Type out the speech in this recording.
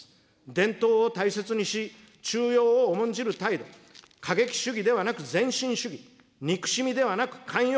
伝統を大切にし、中庸を重んじる態度、過激主義ではなく漸進主義、憎しみではなく寛容。